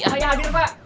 saya hadir pak